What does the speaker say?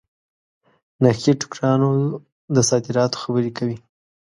نخې ټوکرانو د صادراتو خبري کوي.